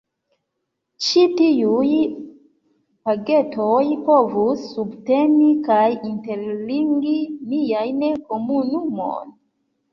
Ĉi tiuj “pagetoj” povus subteni kaj interligi nian komunumon.